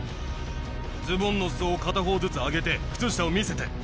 ズボンのすそを片方ずつ上げて、靴下を見せて。